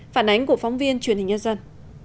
phản ánh của phóng viên truyền hình nhân dân